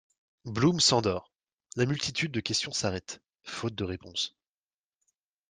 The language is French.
Bloom s'endort, la multitude de questions s'arrête, faute de réponse.